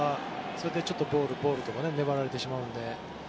それでボール、ボールとか粘られてしまうので。